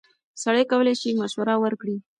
سړی کولی شي مشوره ورکړي.